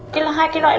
phá pha gì